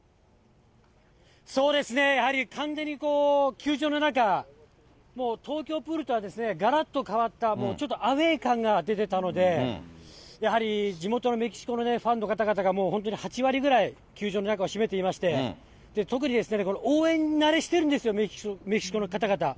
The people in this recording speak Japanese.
そうですね、やはり完全に球場の中、もう東京プールとはがらっと変わったちょっとアウエー感が出てたので、やはり地元のメキシコのファンの方々が、もう本当に８割ぐらい球場の中を占めていまして、特に応援慣れしてるんですよ、メキシコの方々。